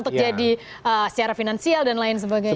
untuk jadi secara finansial dan lain sebagainya